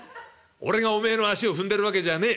『俺がお前の足を踏んでるわけじゃねえ。